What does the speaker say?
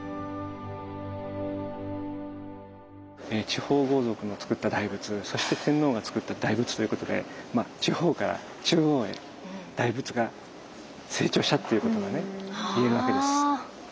地方豪族のつくった大仏そして天皇がつくった大仏ということで地方から中央へ大仏が成長したっていうことがね言えるわけです。